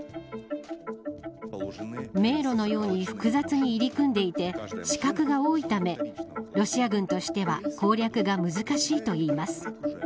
迷路のように複雑に入り組んでいて死角が多いためロシア軍としては攻略が難しいといいます。